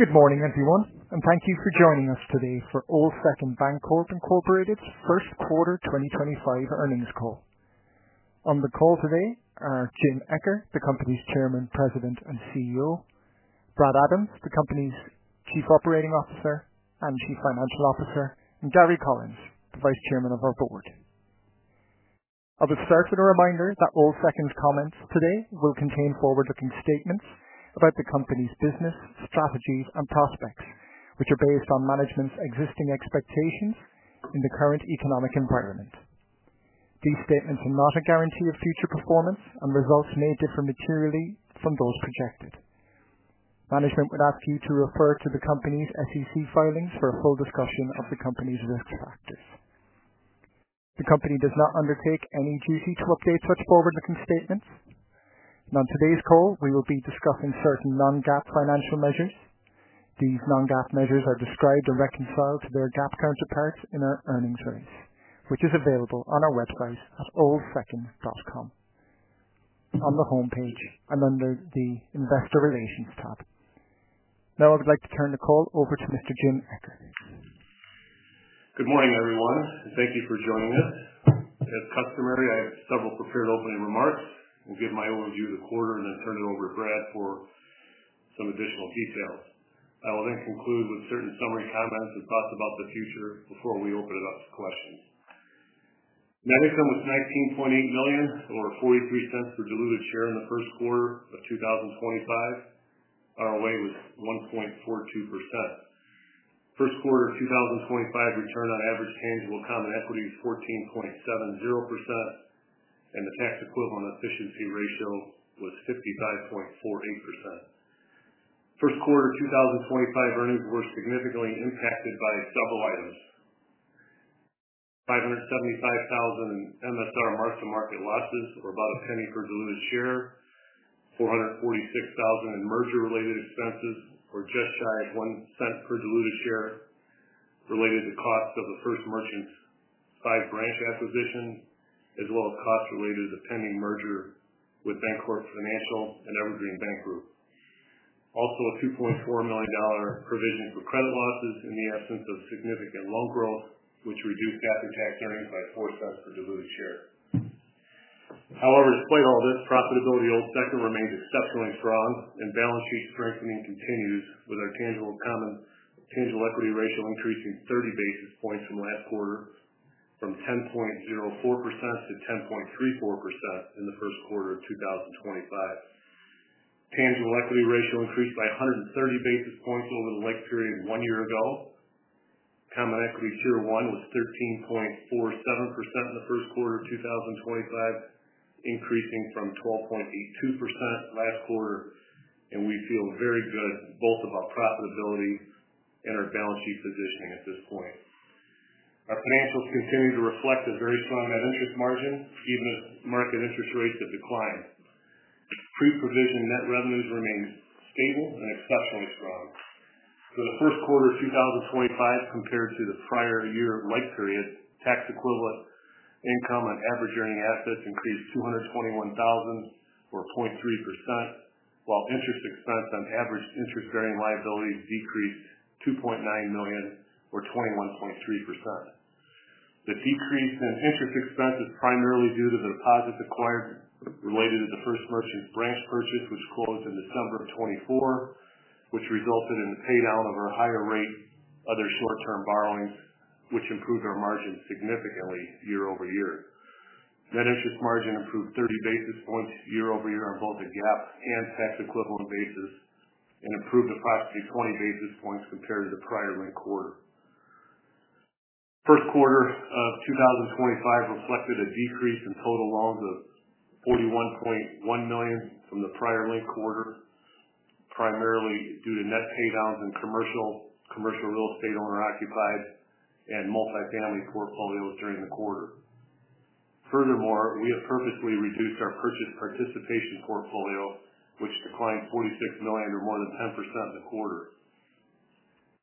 Good morning, everyone, and thank you for joining us today for Old Second Bancorp's Q1 2025 Earnings Call. On the call today are James Eccher, the company's Chairman, President, and CEO; Brad Adams, the company's Chief Operating Officer and Chief Financial Officer; and Gary Collins, the Vice Chairman of our Board. I'll just start with a reminder that Old Second's comments today will contain forward-looking statements about the company's business, strategies, and prospects, which are based on management's existing expectations in the current economic environment. These statements are not a guarantee of future performance, and results may differ materially from those projected. Management would ask you to refer to the company's SEC filings for a full discussion of the company's risk factors. The company does not undertake any duty to update such forward-looking statements. On today's call, we will be discussing certain non-GAAP financial measures. These non-GAAP measures are described and reconciled to their GAAP counterparts in our earnings release, which is available on our website at oldsecond.com, on the homepage, and under the investor relations tab. Now, I would like to turn the call over to Mr. James Eccher. Good morning, everyone, and thank you for joining us. As customary, I have several prepared opening remarks. I'll give my overview of the quarter and then turn it over to Brad for some additional details. I will then conclude with certain summary comments and thoughts about the future before we open it up to questions. Net income was $19.8 million, or $0.43 per diluted share in the Q1 of 2025. ROA was 1.42%. Q1 2025 return on average tangible common equity was 14.70%, and the tax equivalent efficiency ratio was 55.48%. Q1 2025 earnings were significantly impacted by several items. $575,000 in MSR mark-to-market losses, or about a penny per diluted share, $446,000 in merger-related expenses, or just shy of $0.01 per diluted share related to costs of the First Merchants five-branch acquisition, as well as costs related to the pending merger with Bancorp Financial and Evergreen Bank Group. Also, a $2.4 million provision for credit losses in the absence of significant loan growth, which reduced after-tax earnings by $0.04 per diluted share. However, despite all this, profitability of Old Second remains exceptionally strong, and balance sheet strengthening continues with our tangible common equity ratio increasing 30 basis points from last quarter, from 10.04%-10.34% in the Q1 of 2025. Tangible equity ratio increased by 130 basis points over the like period one year ago. Common Equity Tier 1 was 13.47% in the Q1 of 2025, increasing from 12.82% last quarter, and we feel very good both about profitability and our balance sheet positioning at this point. Our financials continue to reflect a very strong net interest margin, even as market interest rates have declined. Pre-provision net revenues remain stable and exceptionally strong. For the Q1 of 2025, compared to the prior year length period, tax equivalent income on average earning assets increased $221,000, or 0.3%, while interest expense on average interest-bearing liabilities decreased $2.9 million, or 21.3%. The decrease in interest expense is primarily due to the deposits acquired related to the First Merchants branch purchase, which closed in December of 2024, which resulted in the paydown of our higher rate other short-term borrowings, which improved our margin significantly year over year. Net interest margin improved 30 basis points year over year on both the GAAP and tax equivalent basis and improved approximately 20 basis points compared to the prior linked quarter. Q1 of 2025 reflected a decrease in total loans of $41.1 million from the prior linked quarter, primarily due to net paydowns in commercial, commercial real estate owner-occupied, and multifamily portfolios during the quarter. Furthermore, we have purposely reduced our purchase participation portfolio, which declined $46 million, or more than 10%, in the quarter.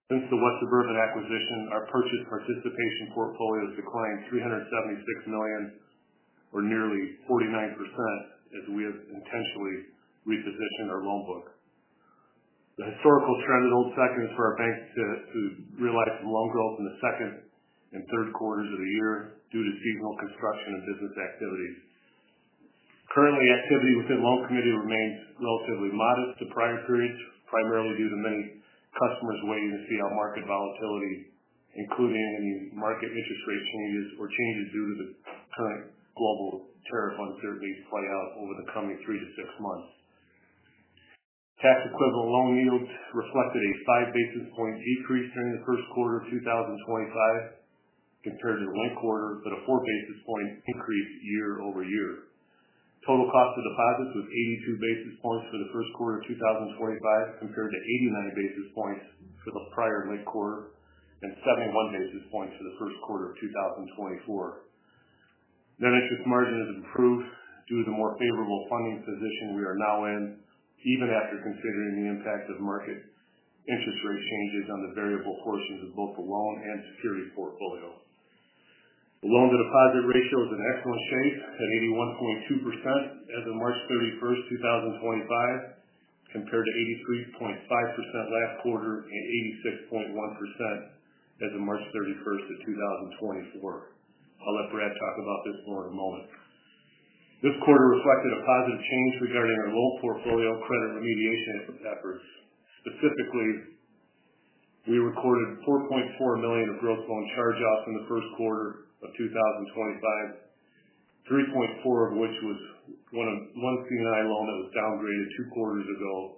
Since the West Suburban acquisition, our purchase participation portfolio has declined $376 million, or nearly 49%, as we have intentionally repositioned our loan book. The historical trend in Old Second is for our bank to realize some loan growth in the second and third quarters of the year due to seasonal construction and business activities. Currently, activity within loan committee remains relatively modest to prior periods, primarily due to many customers waiting to see how market volatility, including any market interest rate changes or changes due to the current global tariff uncertainty, play out over the coming three to six months. Tax equivalent loan yields reflected a five basis point decrease during the Q1 of 2025 compared to the linked quarter, but a four basis point increase year over year. Total cost of deposits was 82 basis points for the Q1 of 2025 compared to 89 basis points for the prior linked quarter and 71 basis points for the Q1 of 2024. Net interest margin has improved due to the more favorable funding position we are now in, even after considering the impact of market interest rate changes on the variable portions of both the loan and security portfolio. The loan-to-deposit ratio is in excellent shape at 81.2% as of March 31, 2025, compared to 83.5% last quarter and 86.1% as of March 31, 2024. I'll let Brad talk about this more in a moment. This quarter reflected a positive change regarding our loan portfolio credit remediation efforts. Specifically, we recorded $4.4 million of gross loan charge-offs in the Q1 of 2025, $3.4 million of which was one C&I loan that was downgraded two quarters ago.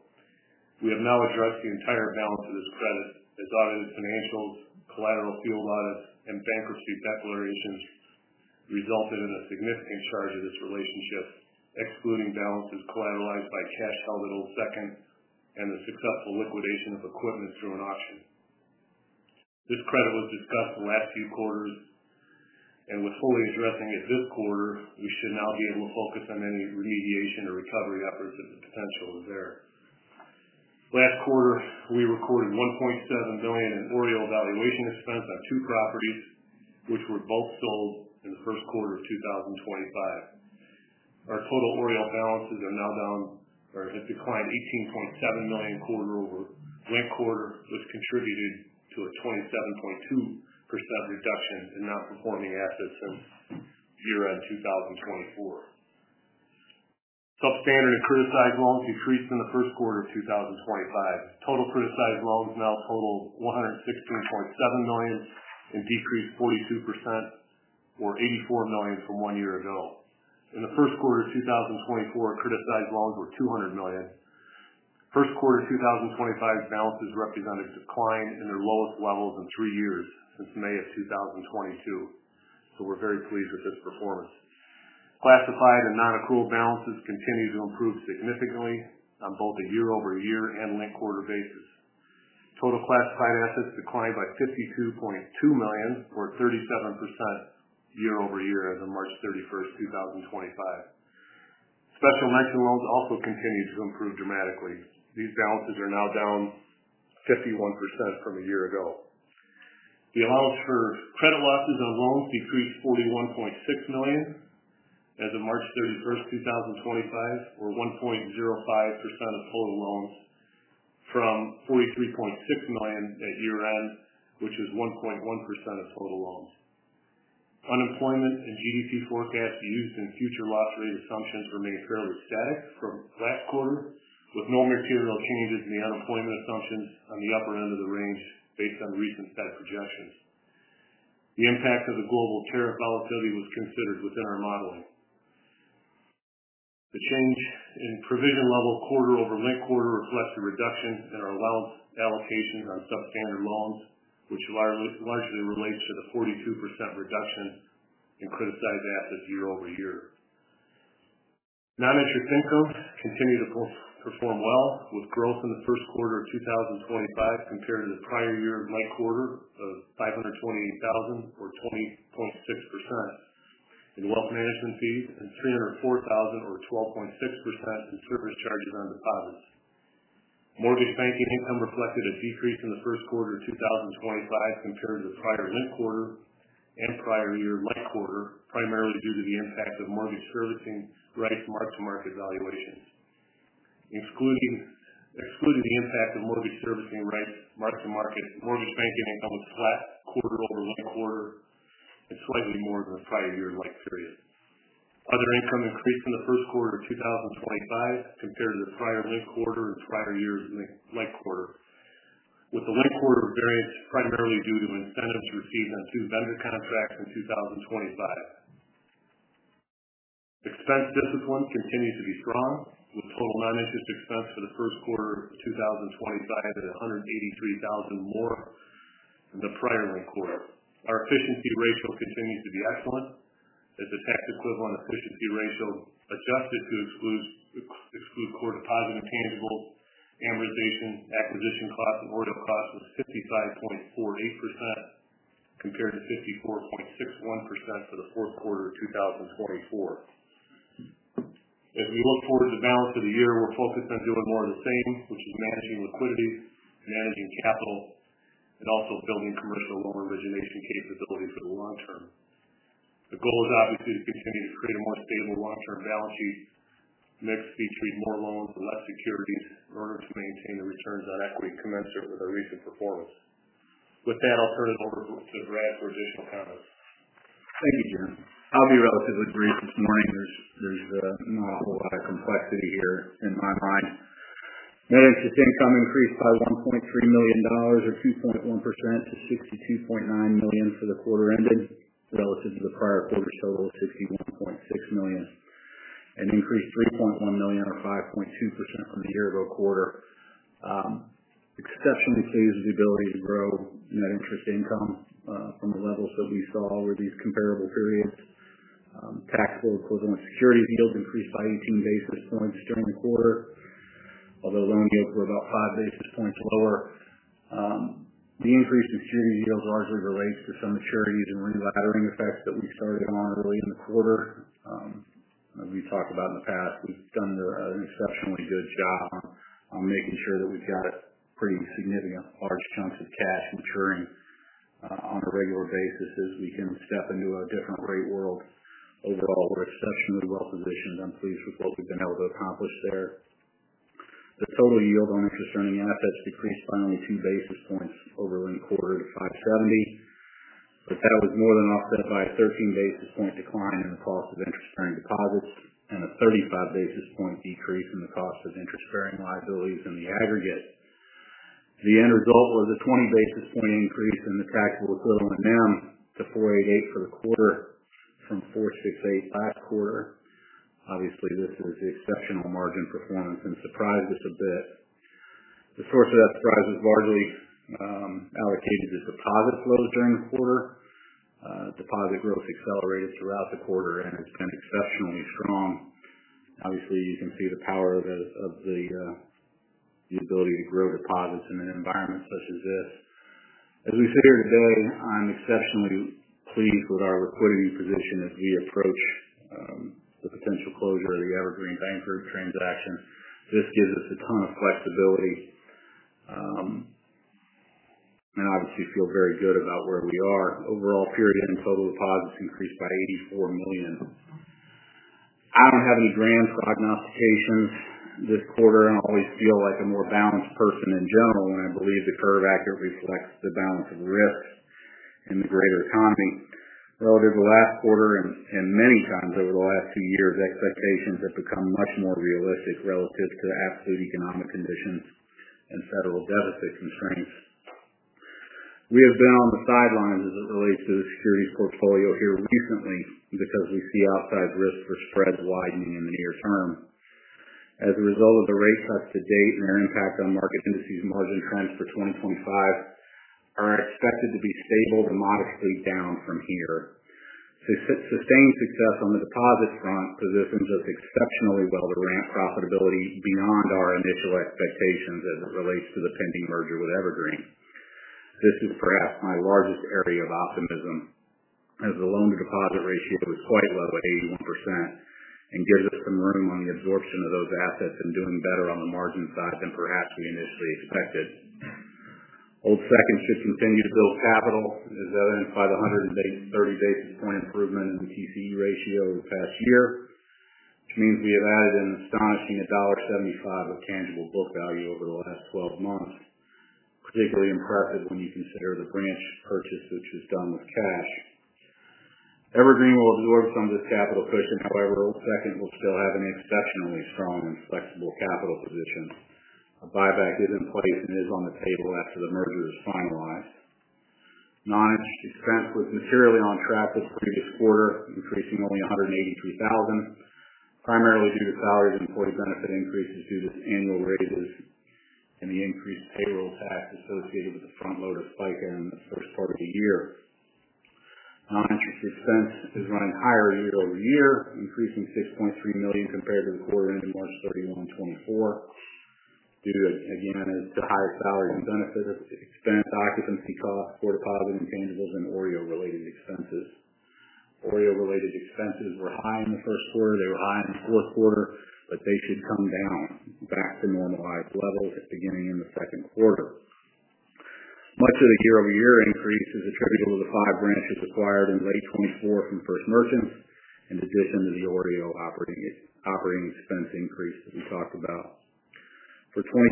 We have now addressed the entire balance of this credit, as audited financials, collateral field audits, and bankruptcy declarations resulted in a significant charge of this relationship, excluding balances collateralized by cash held at Old Second and the successful liquidation of equipment through an auction. This credit was discussed the last few quarters, and with fully addressing it this quarter, we should now be able to focus on any remediation or recovery efforts if the potential is there. Last quarter, we recorded $1.7 million in OREO valuation expense on two properties, which were both sold in the Q1 of 2025. Our total OREO balances are now down or have declined $18.7 million quarter over quarter, which contributed to a 27.2% reduction in non-performing assets since year-end 2024. Substandard and criticized loans decreased in the Q1 of 2025. Total criticized loans now total $116.7 million and decreased 42%, or $84 million from one year ago. In the Q1 of 2024, criticized loans were $200 million. Q1 2025 balances represent a decline in their lowest levels in three years since May of 2022, so we're very pleased with this performance. Classified and non-accrual balances continue to improve significantly on both a year-over-year and link quarter basis. Total classified assets declined by $52.2 million, or 37% year over year as of March 31, 2025. Special lending loans also continue to improve dramatically. These balances are now down 51% from a year ago. The allowance for credit losses on loans decreased to $41.6 million as of March 31, 2025, or 1.05% of total loans, from $43.6 million at year-end, which is 1.1% of total loans. Unemployment and GDP forecasts used in future loss rate assumptions remain fairly static from last quarter, with no material changes in the unemployment assumptions on the upper end of the range based on recent Fed projections. The impact of the global tariff volatility was considered within our modeling. The change in provision level quarter over link quarter reflects a reduction in our allowance allocation on substandard loans, which largely relates to the 42% reduction in criticized assets year over year. Non-interest income continued to perform well, with growth in the Q1 of 2025 compared to the prior year's link quarter of $528,000, or 20.6%, in wealth management fees and $304,000, or 12.6%, in service charges on deposits. Mortgage banking income reflected a decrease in the Q1 of 2025 compared to the prior link quarter and prior year's link quarter, primarily due to the impact of mortgage servicing rights mark-to-market valuations. Excluding the impact of mortgage servicing rights mark-to-market, mortgage banking income was flat quarter over link quarter and slightly more than the prior year's link period. Other income increased in the Q1 of 2025 compared to the prior linked quarter and prior year's linked quarter, with the linked quarter variance primarily due to incentives received on two vendor contracts in 2025. Expense discipline continued to be strong, with total non-interest expense for the Q1 of 2025 at $183,000 more than the prior linked quarter. Our efficiency ratio continues to be excellent, as the tax equivalent efficiency ratio adjusted to exclude core deposit and tangible amortization acquisition costs and OREO costs was 55.48% compared to 54.61% for the Q4 of 2024. As we look forward to the balance of the year, we're focused on doing more of the same, which is managing liquidity, managing capital, and also building commercial loan origination capability for the long term. The goal is obviously to continue to create a more stable long-term balance sheet mix featuring more loans and less securities in order to maintain the returns on equity commensurate with our recent performance. With that, I'll turn it over to Brad for additional comments. Thank you, Jim. I'll be relatively brief this morning. There's not a whole lot of complexity here in my mind. Net interest income increased by $1.3 million, or 2.1%, to $62.9 million for the quarter ended relative to the prior quarter total of $61.6 million, and increased $3.1 million, or 5.2%, from the year-ago quarter. Exceptionally pleased with the ability to grow net interest income from the levels that we saw over these comparable periods. Taxable equivalent securities yields increased by 18 basis points during the quarter, although loan yields were about five basis points lower. The increase in securities yields largely relates to some maturities and re-laddering effects that we started on early in the quarter. As we've talked about in the past, we've done an exceptionally good job on making sure that we've got pretty significant large chunks of cash maturing on a regular basis as we can step into a different rate world. Overall, we're exceptionally well positioned. I'm pleased with what we've been able to accomplish there. The total yield on interest-bearing assets decreased by only two basis points over link quarter to 570, but that was more than offset by a 13 basis point decline in the cost of interest-bearing deposits and a 35 basis point decrease in the cost of interest-bearing liabilities in the aggregate. The end result was a 20 basis point increase in the taxable equivalent NIM to 4.88 for the quarter from 4.68 last quarter. Obviously, this is exceptional margin performance and surprised us a bit. The source of that surprise was largely allocated to deposit flows during the quarter. Deposit growth accelerated throughout the quarter and has been exceptionally strong. Obviously, you can see the power of the ability to grow deposits in an environment such as this. As we sit here today, I'm exceptionally pleased with our liquidity position as we approach the potential closure of the Evergreen Bank Group transaction. This gives us a ton of flexibility and obviously feel very good about where we are, Overall period end total deposits increased by $84 million. I don't have any grand prognostications this quarter. I always feel like a more balanced person in general when I believe the curve accurately reflects the balance of risk in the greater economy. Relative to last quarter and many times over the last two years, expectations have become much more realistic relative to absolute economic conditions and federal deficit constraints. We have been on the sidelines as it relates to the securities portfolio here recently because we see outside risk for spreads widening in the near term. As a result of the rate cuts to date and their impact on market indices, margin trends for 2025 are expected to be stable to modestly down from here. Sustained success on the deposit front positions us exceptionally well to ramp profitability beyond our initial expectations as it relates to the pending merger with Evergreen. This is perhaps my largest area of optimism, as the loan-to-deposit ratio is quite low at 81% and gives us some room on the absorption of those assets and doing better on the margin side than perhaps we initially expected. Old Second should continue to build capital, as evidenced by the 130 basis point improvement in the TCE ratio over the past year, which means we have added an astonishing $1.75 of tangible book value over the last 12 months, particularly impressive when you consider the branch purchase, which was done with cash. Evergreen will absorb some of this capital cushion; however, Old Second will still have an exceptionally strong and flexible capital position. A buyback is in place and is on the table after the merger is finalized. Non-interest expense was materially on track this previous quarter, increasing only $183,000, primarily due to salaries and employee benefit increases due to annual raises and the increased payroll tax associated with the front-loaded of spike in the first part of the year. Non-interest expense is running higher year over year, increasing $6.3 million compared to the quarter end of March 31, 2024, due again to higher salaries and benefit expense, occupancy costs, core deposit and tangibles, and OREO-related expenses. OREO-related expenses were high in the Q1. They were high in the Q4, but they should come down back to normalized levels beginning in the Q2. Much of the year-over-year increase is attributable to the five branches acquired in late 2024 from First Merchants, in addition to the OREO operating expense increase that we talked about. For 2025,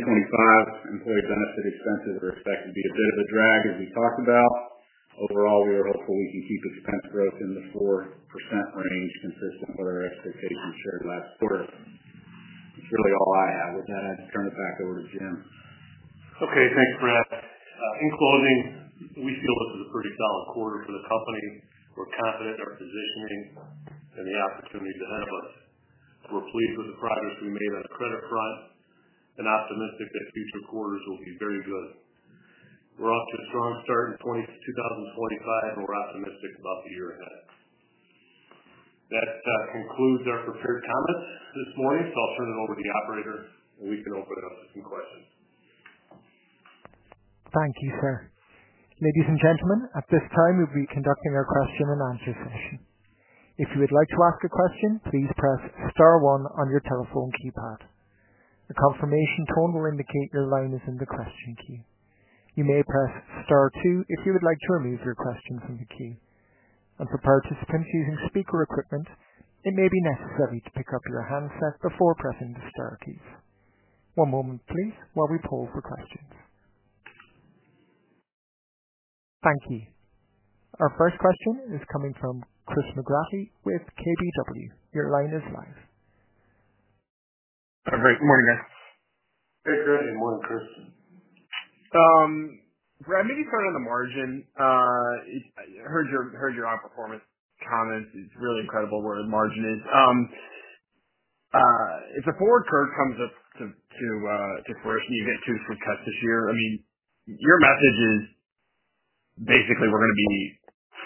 employee benefit expenses are expected to be a bit of a drag, as we talked about. Overall, we are hopeful we can keep expense growth in the 4% range, consistent with our expectations shared last quarter. That's really all I have with that, I'd turn it back over to Jim. Okay. Thanks, Brad. In closing, we feel this is a pretty solid quarter for the company. We're confident in our positioning and the opportunities ahead of us. We're pleased with the progress we made on the credit front and optimistic that future quarters will be very good. We're off to a strong start in 2025, and we're optimistic about the year ahead. That concludes our prepared comments this morning, so I'll turn it over to the operator, and we can open it up to some questions. Thank you, sir. Ladies and gentlemen, at this time, we'll be conducting our question-and-answer session. If you would like to ask a question, please press Star 1 on your telephone keypad. A confirmation tone will indicate your line is in the question queue. You may press Star 2 if you would like to remove your question from the queue. For participants using speaker equipment, it may be necessary to pick up your handset before pressing the Star keys. One moment, please, while we poll for questions. Thank you. Our first question is coming from Chris McGrath with KBW. Your line is live. Hi, Brad. Good morning, guys. Hey, Chris. Good morning, Chris. Brad, maybe you start on the margin. I heard your odd performance comments. It's really incredible where the margin is. If the forward curve comes up to first and you get two sweet cuts this year, I mean, your message is basically we're going to be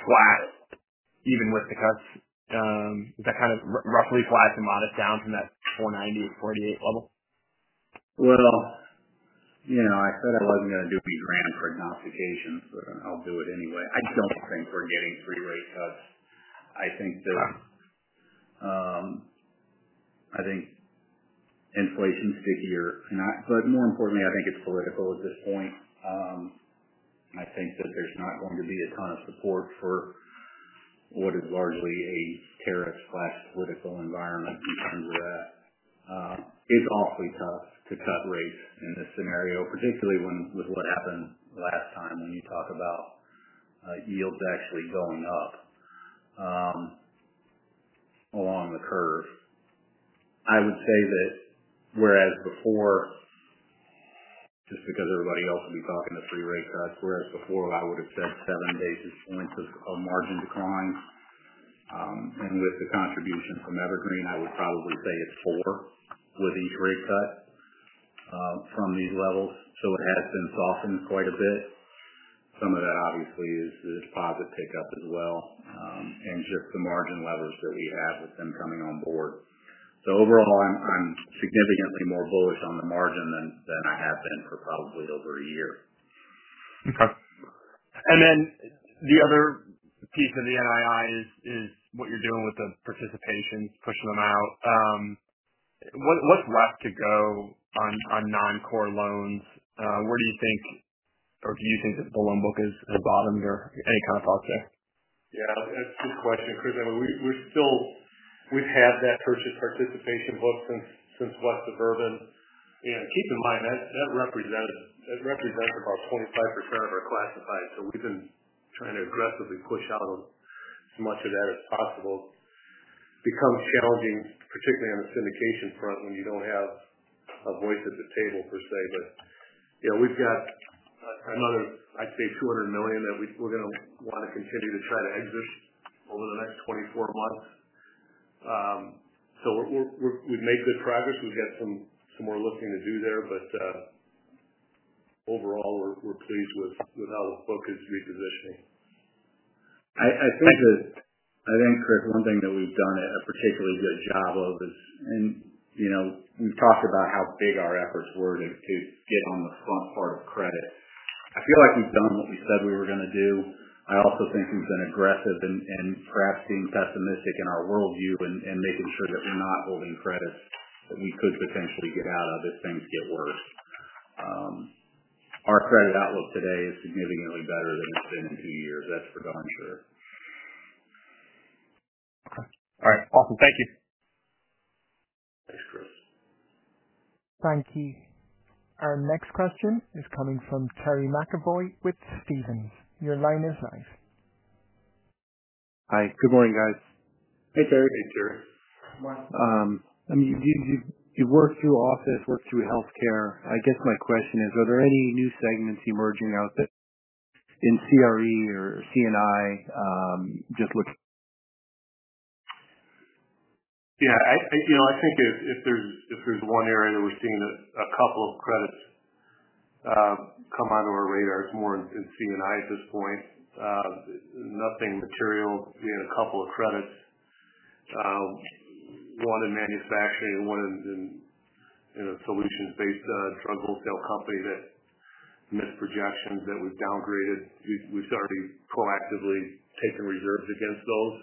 flat even with the cuts. Is that kind of roughly flat to modest down from that 490, 4.88 level? I said I was not going to do any grand prognostications, but I will do it anyway. I do not think we are getting three rate cuts. I think inflation is stickier, but more importantly, I think it is political at this point. I think that there is not going to be a ton of support for what is largely a tariff/political environment in terms of that. It is awfully tough to cut rates in this scenario, particularly with what happened last time when you talk about yields actually going up along the curve. I would say that whereas before, just because everybody else would be talking to three rate cuts, whereas before, I would have said seven basis points of margin decline. With the contribution from Evergreen, I would probably say it is four with each rate cut from these levels. It has been softened quite a bit. Some of that, obviously, is deposit pickup as well and just the margin levers that we have with them coming on board. Overall, I'm significantly more bullish on the margin than I have been for probably over a year. Okay. And then the other piece of the NII is what you're doing with the participations, pushing them out. What's left to go on non-core loans? Where do you think or do you think that the loan book has bottomed or any kind of thoughts there? Yeah. That's a good question, Chris. I mean, we've had that purchase participation book since West Suburban. Keep in mind, that represents about 25% of our classifieds, so we've been trying to aggressively push out as much of that as possible. It becomes challenging, particularly on the syndication front when you don't have a voice at the table, per se. We've got another, I'd say, $200 million that we're going to want to continue to try to exit over the next 24 months. We've made good progress. We've got some more lifting to do there, but overall, we're pleased with how the book is repositioning. I think that, Chris, one thing that we've done a particularly good job of is, and we've talked about how big our efforts were to get on the front part of credit. I feel like we've done what we said we were going to do. I also think we've been aggressive in perhaps being pessimistic in our worldview and making sure that we're not holding credits that we could potentially get out of if things get worse. Our credit outlook today is significantly better than it's been in two years. That's for darn sure. Okay. All right. Awesome. Thank you. Thank you. Our next question is coming from Terry McEvoy with Stephens. Your line is live. Hi. Good morning, guys. Hey, Terry. Hey, Terry. Morning. I mean, you've worked through office, worked through healthcare. I guess my question is, are there any new segments emerging out there in CRE or C&I, just looking? Yeah. I think if there's one area that we're seeing a couple of credits come onto our radar, it's more in C&I at this point. Nothing material. We had a couple of credits, one in manufacturing and one in a solutions-based drug wholesale company that missed projections that we've downgraded. We've started proactively taking reserves against those.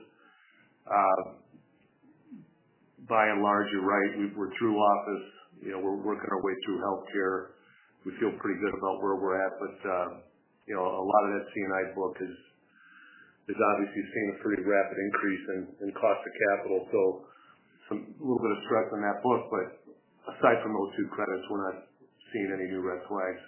By and large, you're right. We're through office. We're working our way through healthcare. We feel pretty good about where we're at, but a lot of that C&I book has obviously seen a pretty rapid increase in cost of capital, so a little bit of stress on that book. Aside from those two credits, we're not seeing any new red flags.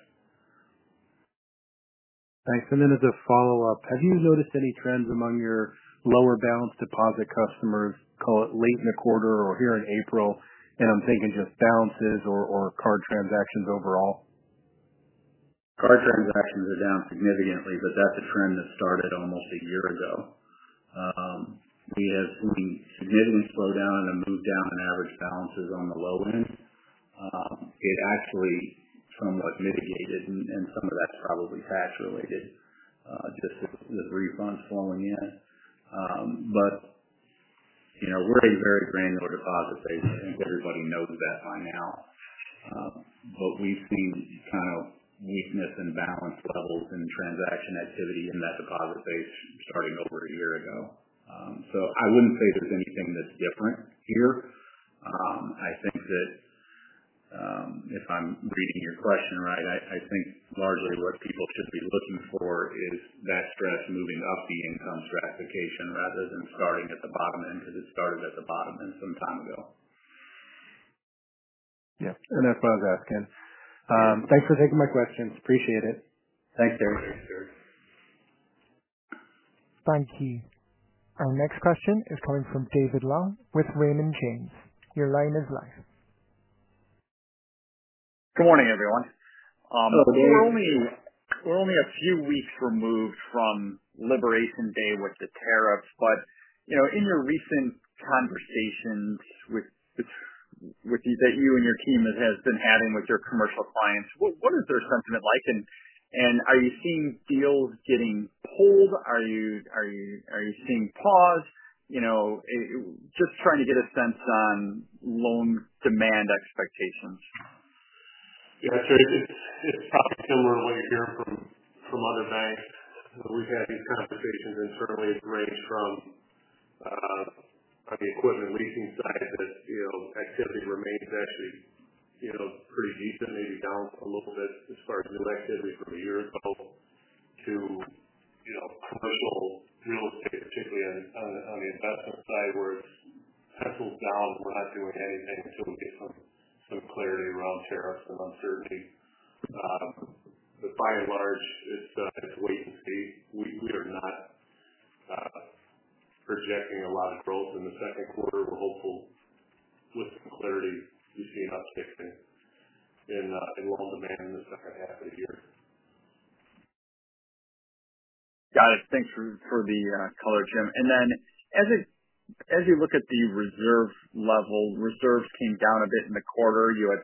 Thanks. As a follow-up, have you noticed any trends among your lower balance deposit customers, call it late in the quarter or here in April? I'm thinking just balances or card transactions overall. Card transactions are down significantly, but that's a trend that started almost a year ago. We have seen significant slowdown and a move down in average balances on the low end. It actually somewhat mitigated, and some of that's probably tax-related, just with refunds flowing in. We are a very granular deposit base. I think everybody knows that by now. We have seen kind of weakness in balance levels and transaction activity in that deposit base starting over a year ago. I would not say there's anything that's different here. I think that if I'm reading your question right, I think largely what people should be looking for is that stress moving up the income stratification rather than starting at the bottom end because it started at the bottom end some time ago. Yep. That is what I was asking. Thanks for taking my questions. Appreciate it. Thanks, Terry. Thank you. Our next question is coming from David Allemann with Raymond James. Your line is live. Good morning, everyone. Hello, David. We're only a few weeks removed from Liberation Day with the tariffs, but in your recent conversations that you and your team have been having with your commercial clients, what is their sentiment like? Are you seeing deals getting pulled? Are you seeing pause? Just trying to get a sense on loan demand expectations. Yeah, David, it's probably similar to what you're hearing from other banks. We've had these conversations, and certainly it's ranged from the equipment leasing side that activity remains actually pretty decent, maybe down a little bit as far as new activity from a year ago to commercial real estate, particularly on the investment side where it pencils down. We're not doing anything until we get some clarity around tariffs and uncertainty. By and large, it's wait and see we are not projecting a lot of growth in the Q2 we're hopeful with some clarity we see an uptick in loan demand in the second half of the year. Got it. Thanks for the color, Jim. As you look at the reserve level, reserves came down a bit in the quarter, You had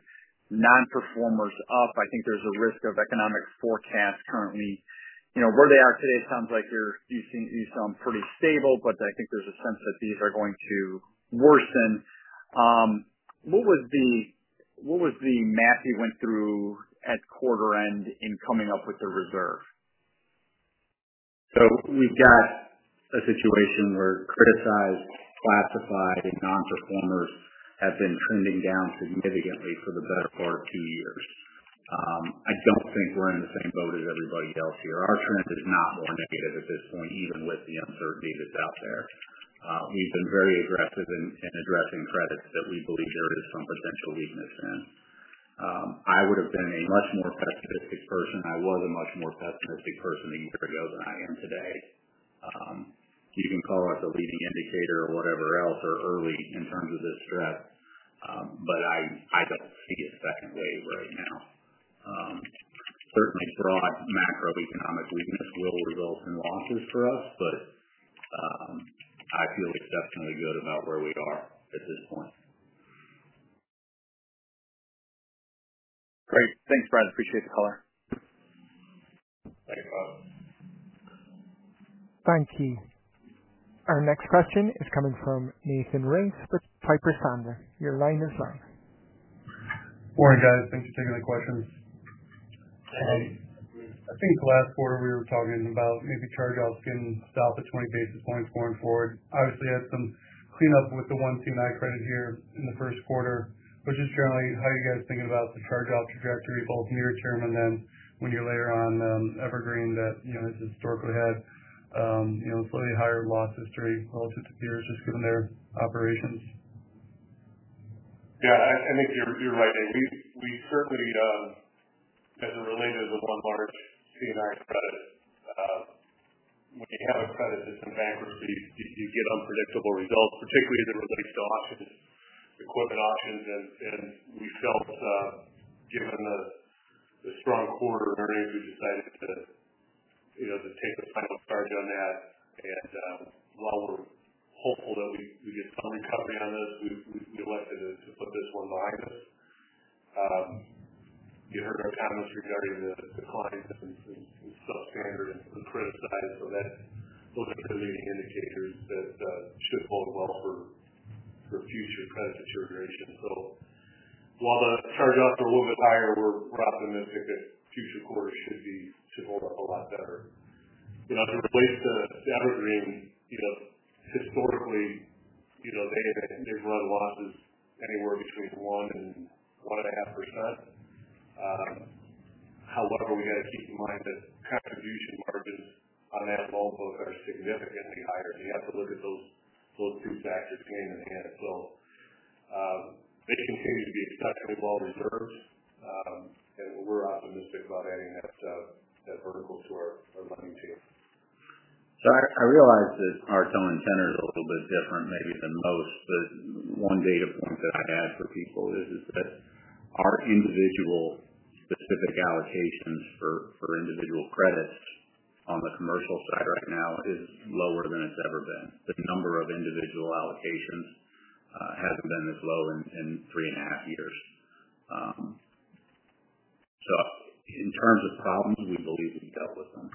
non-performers up i think there's a risk of economic forecasts currently. Where they are today sounds like you sound pretty stable, but I think there's a sense that these are going to worsen. What was the math you went through at quarter end in coming up with the reserve? We have a situation where criticized, classified, non-performers have been trending down significantly for the better part of two years. I do not think we are in the same boat as everybody else here. Our trend is not more negative at this point, even with the uncertainty that is out there. We have been very aggressive in addressing credits that we believe there is some potential weakness in. I would have been a much more pessimistic person. I was a much more pessimistic person a year ago than I am today. You can call us a leading indicator or whatever else or early in terms of this stress, but I do not see a second wave right now. Certainly, broad macroeconomic weakness will result in losses for us, but I feel exceptionally good about where we are at this point. Great. Thanks, Brad. Appreciate the color. Thank you. Our next question is coming from Nathan Race with Piper Sandler. Your line is live. Morning, guys. Thanks for taking the questions. Hey. I think last quarter we were talking about maybe charge-offs getting south of 20 basis points going forward. Obviously, had some cleanup with the one C&I credit here in the Q1, but just generally, how are you guys thinking about the charge-off trajectory both near term and then when you're later on Evergreen that has historically had slightly higher loss history relative to peers just given their operations? Yeah. I think you're right. We certainly, as it related to the one large C&I credit, when you have a credit that's in bankruptcy, you get unpredictable results, particularly as it relates to equipment options. We felt, given the strong quarter earnings, we decided to take the final charge on that. While we're hopeful that we get some recovery on this, we elected to put this one behind us. You heard our comments regarding the clients and substandard and criticized, those are the leading indicators that should hold well for future credit deterioration. While the charge-offs are a little bit higher, we're optimistic that future quarters should hold up a lot better. As it relates to Evergreen, historically, they've run losses anywhere between 1% and 1.5%. However, we got to keep in mind that contribution margins on that loan book are significantly higher, and you have to look at those two factors hand in hand. They continue to be exceptionally well reserved, and we're optimistic about adding that vertical to our lending team. I realize that our tone and tenor is a little bit different maybe than most, but one data point that I had for people is that our individual specific allocations for individual credits on the commercial side right now is lower than it's ever been. The number of individual allocations hasn't been this low in three and a half years. In terms of problems, we believe we've dealt with them.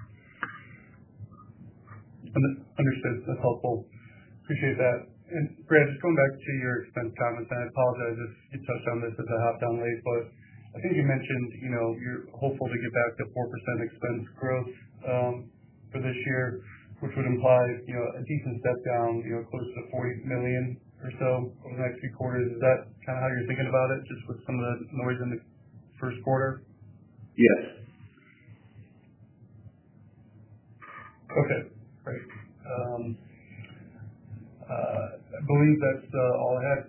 Understood. That's helpful. Appreciate that. Brad, just going back to your expense comments, and I apologize if you touched on this as I hopped on late, but I think you mentioned you're hopeful to get back to 4% expense growth for this year, which would imply a decent step down, close to $40 million or so over the next few quarters is that kind of how you're thinking about it, just with some of the noise in the Q1? Yes. Okay. Great. I believe that's all I had.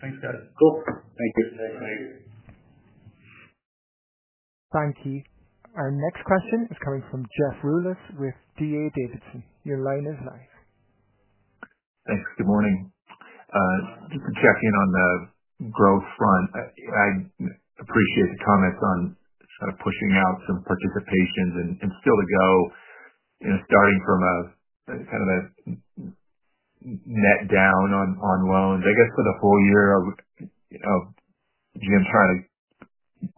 Thanks, guys. Cool. Thank you. Thanks. Thank you. Our next question is coming from Jeff Rulis with D.A. Davidson. Your line is live. Thanks. Good morning. Just to check in on the growth front, I appreciate the comments on sort of pushing out some participations and still to go, starting from kind of a net down on loans. I guess for the full year of James trying to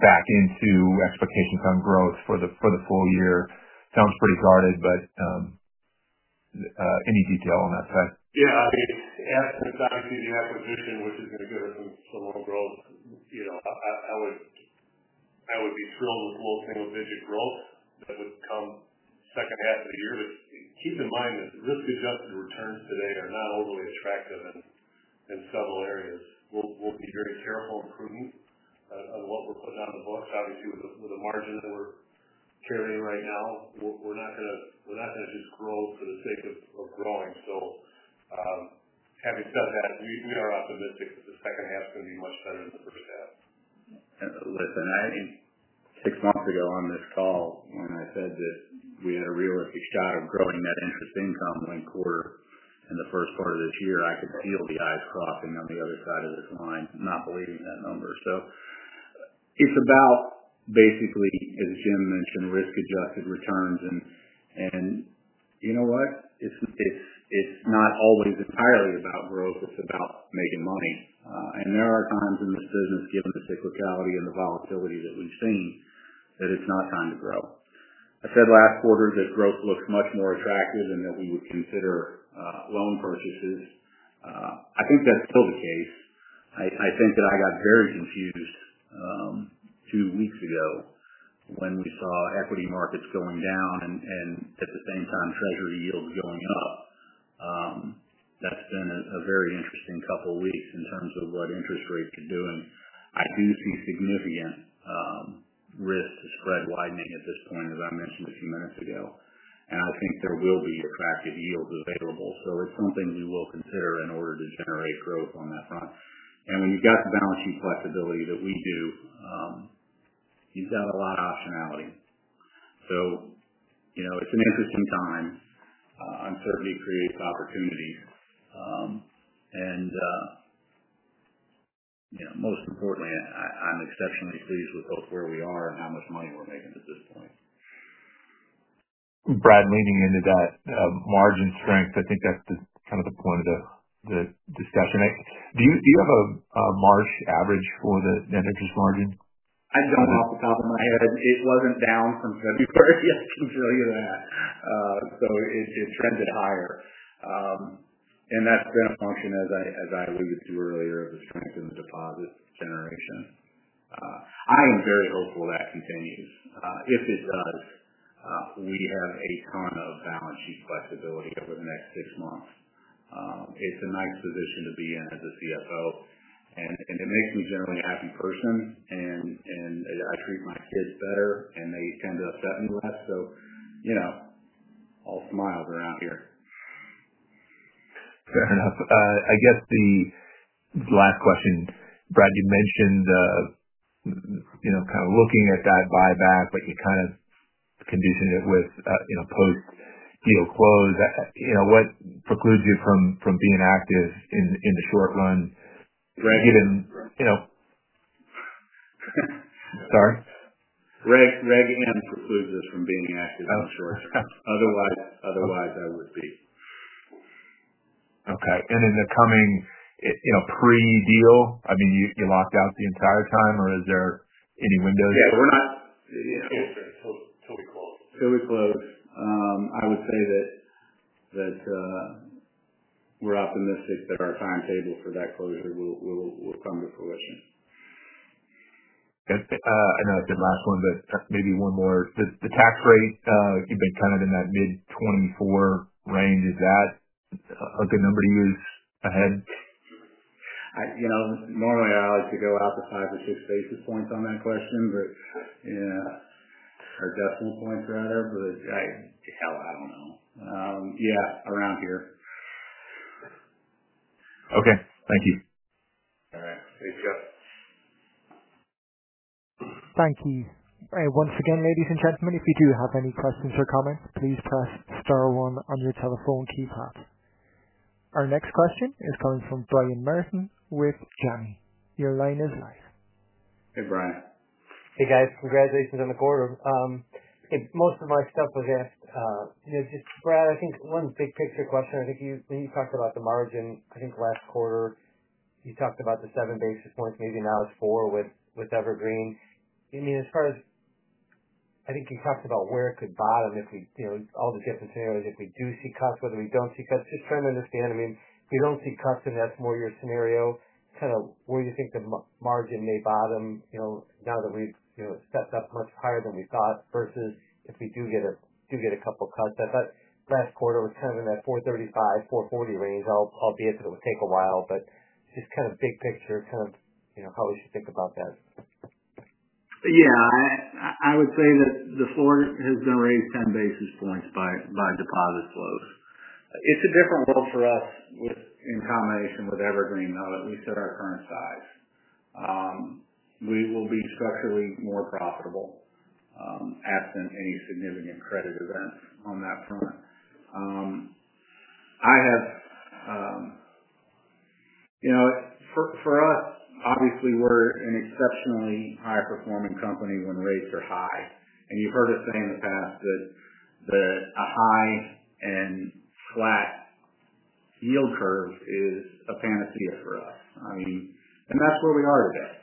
back into expectations on growth for the full year sounds pretty guarded, but any detail on that side? Yeah. Obviously, the acquisition, which is going to give us some more growth, I would be thrilled with low single-digit growth that would come second half of the year. Keep in mind that risk-adjusted returns today are not overly attractive in several areas. We'll be very careful and prudent on what we're putting on the books obviously, with the margin that we're carrying right now, we're not going to just grow for the sake of growing. Having said that, we are optimistic that the second half is going to be much better than the first half. Listen, six months ago on this call, when I said that we had a realistic shot of growing net interest income in the quarter and the first part of this year, I could feel the eyes crossing on the other side of this line, not believing that number. It is about, basically, as Jim mentioned, risk-adjusted returns. You know what? It is not always entirely about growth. It is about making money. There are times in this business, given the cyclicality and the volatility that we have seen, that it is not time to grow. I said last quarter that growth looks much more attractive and that we would consider loan purchases. I think that is still the case. I think that I got very confused two weeks ago when we saw equity markets going down and at the same time treasury yields going up. That's been a very interesting couple of weeks in terms of what interest rates are doing. I do see significant risk to spread widening at this point, as I mentioned a few minutes ago. I think there will be attractive yields available it is something we will consider in order to generate growth on that front. When you've got the balance sheet flexibility that we do, you've got a lot of optionality. It is an interesting time. Uncertainty creates opportunities. Most importantly, I'm exceptionally pleased with both where we are and how much money we're making at this point. Brad, leading into that margin strength, I think that's kind of the point of the discussion. Do you have a March average for the net interest margin? I do not off the top of my head it was not down from February, I can tell you that. It trended higher. That has been a function, as I alluded to earlier, of the strength in the deposit generation. I am very hopeful that continues. If it does, we have a ton of balance sheet flexibility over the next six months. It is a nice position to be in as a CFO. It makes me generally a happy person, and I treat my kids better, and they tend to upset me less. All smiles around here. Fair enough. I guess the last question, Brad, you mentioned kind of looking at that buyback, but you kind of conditioned it with post-deal close. What precludes you from being active in the short run? Reg. Sorry? Reg M precludes us from being active in the short term. Otherwise, I would be. Okay. In the coming pre-deal, I mean, you locked out the entire time, or is there any windows? Yeah. We're not. Yeah. Till we close. Till we close. I would say that we're optimistic that our timetable for that closure will come to fruition. I know it's your last one, but maybe one more. The tax rate, you've been kind of in that mid-24 range. Is that a good number to use ahead? Normally, I like to go out the five or six basis points on that question, or decimal points, rather. But hell, I do not know. Yeah, around here. Okay. Thank you. All right. Thanks, guys. Thank you. Once again, ladies and gentlemen, if you do have any questions or comments, please press star one on your telephone keypad. Our next question is coming from Brian Merton with Janney. Your line is live. Hey, Brian. Hey, guys. Congratulations on the quarter. Most of my stuff was asked. Just, Brad, I think one big picture question think you talked about the margin, I think last quarter, you talked about the seven basis points maybe now it's four with Evergreen. I mean, as far as I think you talked about where it could bottom if we all the different scenarios, if we do see cuts, whether we don't see cuts just trying to understand. I mean, if we don't see cuts and that's more your scenario, kind of where you think the margin may bottom now that we've stepped up much higher than we thought versus if we do get a couple of cuts. I thought last quarter was kind of in that 435-440 range, albeit that it would take a while, but just kind of big picture, kind of how would you think about that? Yeah. I would say that the floor has been raised 10 basis points by deposit flows. It's a different world for us in combination with Evergreen now that we said our current size. We will be structurally more profitable absent any significant credit events on that front. For us, obviously, we're an exceptionally high-performing company when rates are high. And you've heard us say in the past that a high and flat yield curve is a panacea for us. I mean, and that's where we are today.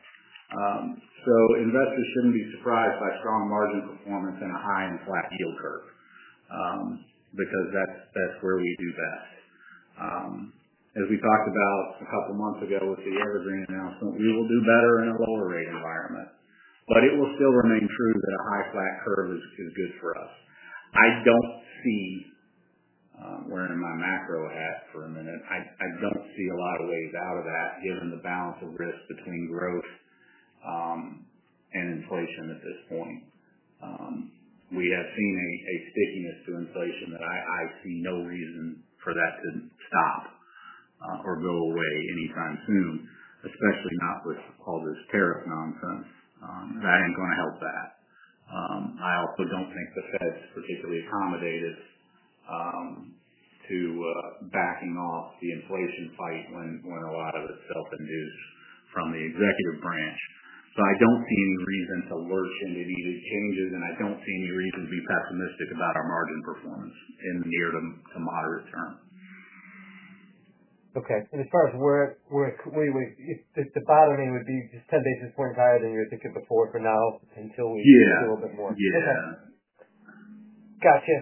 Investors shouldn't be surprised by strong margin performance and a high and flat yield curve because that's where we do best. As we talked about a couple of months ago with the Evergreen announcement, we will do better in a lower rate environment, but it will still remain true that a high flat curve is good for us. I do not see, wearing my macro hat for a minute, I do not see a lot of ways out of that given the balance of risk between growth and inflation at this point. We have seen a stickiness to inflation that I see no reason for that to stop or go away anytime soon, especially not with all this tariff nonsense. That is not going to help that. I also do not think the Fed is particularly accommodative to backing off the inflation fight when a lot of it is self-induced from the executive branch. I do not see any reason to lurch into any changes, and I do not see any reason to be pessimistic about our margin performance in the near to moderate term. Okay. As far as where it's the bottom end would be just 10 basis points higher than you're thinking before for now until we see a little bit more. Yeah. Yeah. Okay. Gotcha.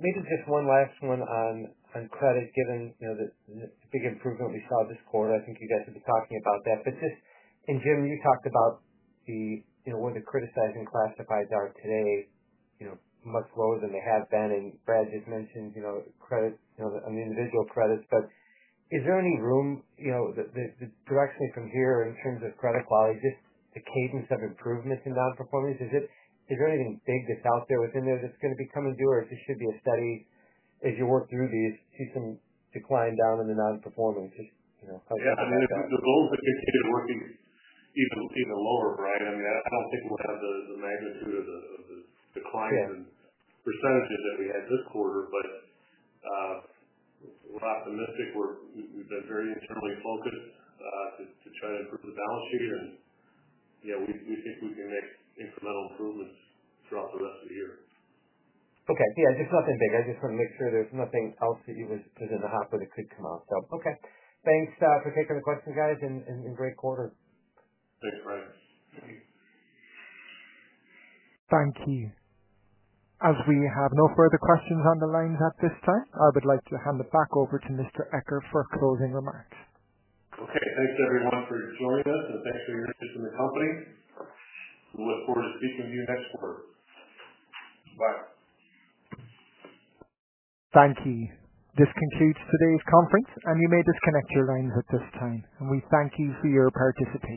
Maybe just one last one on credit, given the big improvement we saw this quarter. I think you guys have been talking about that. Just, and Jim, you talked about where the criticized and classifieds are today. Much lower than they have been, Brad just mentioned credit on the individual credits. Is there any room that directly from here in terms of credit quality, just the cadence of improvements in non-performance? Is there anything big that's out there within there that's going to be coming due, or it just should be a steady as you work through these, see some decline down in the non-performance? Just. Yeah. I mean, the goals that get kicked are working even lower, right? I mean, I do not think we will have the magnitude of the decline in percentages that we had this quarter, but we are optimistic we have been very internally focused to try to improve the balance sheet, and yeah, we think we can make incremental improvements throughout the rest of the year. Okay. Yeah. Just nothing big i just wanted to make sure there's nothing else that you would present to hop that it could come out. Okay. Thanks for taking the questions, guys, and great quarter. Thanks, Brian. Thank you. As we have no further questions on the lines at this time, I would like to hand it back over to Mr. Eccher for closing remarks. Okay. Thanks, everyone, for joining us, and thanks for your interest in the company. We look forward to speaking with you next quarter. Bye. Thank you. This concludes today's conference, and you may disconnect your lines at this time. We thank you for your participation.